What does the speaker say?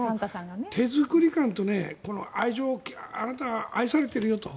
手作り感と愛情をあなたは愛されてるよと。